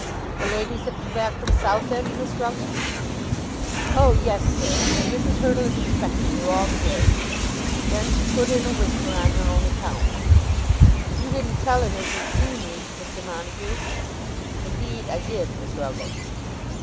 "The ladies have come back from Southend, Miss Ruggles?" "Oh yes, sir, and Mrs. Hurtle is expecting you all the day." Then she put in a whisper on her own account. "You didn't tell him as you'd seen me, Mr. Montague?" "Indeed I did, Miss Ruggles."